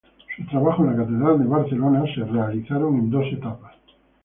Sus trabajos en la catedral de Barcelona fueron realizados en dos etapas.